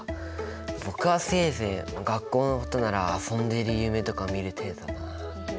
僕はせいぜい学校のことなら遊んでいる夢とか見る程度だなあ。